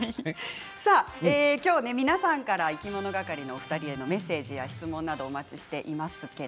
皆さんからいきものがかりのお二人へのメッセージや質問、お待ちしています。